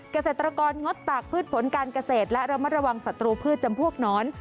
เกษตรกรงดตากพืชผลการเกษตรและระมัดระวังศัตรูพืชจำพวกหนอน